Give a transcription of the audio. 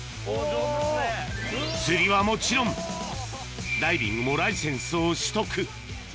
釣りはもちろんダイビングもライセンスを取得